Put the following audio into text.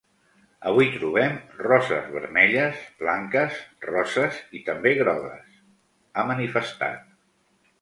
Avui trobem roses vermelles, blanques, roses i també grogues, ha manifestat.